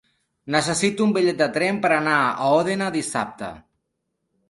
Necessito un bitllet de tren per anar a Òdena dissabte.